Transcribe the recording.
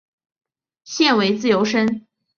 现为自由身。